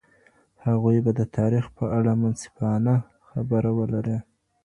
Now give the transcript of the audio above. هغوی به د تاریخ په اړه منصفانه خبره ولري.